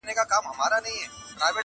سپرلي حُسن ګلاب رنګ ترې زکات غواړي.